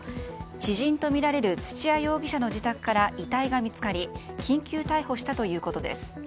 知人とみられる土屋容疑者の自宅から遺体が見つかり緊急逮捕したということです。